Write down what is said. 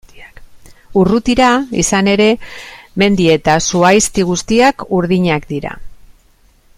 Urrutira, izan ere, mendi eta zuhaizti guztiak urdinak dira.